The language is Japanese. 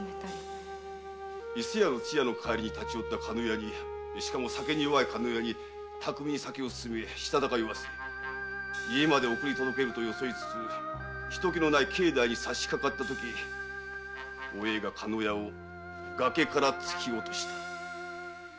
〕伊勢屋の通夜の帰りに立ち寄った加納屋にしかも酒も弱いのに巧みに酒を勧めしたたか酔わせ家まで送り届けると装いつつ人気のない境内にさしかかったときお栄が加納屋を崖から突き落とした。